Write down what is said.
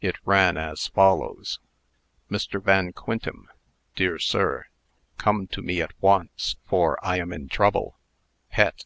It ran as follows: MR. VAN QUINTEM: DEAR SIR: Come to me at once, for I am in trouble. PET.